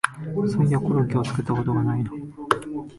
そういやコロッケを作ったことないな